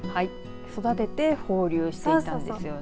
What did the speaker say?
育てて放流していたんですよね。